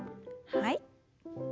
はい。